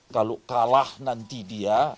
kalau kalah nanti dia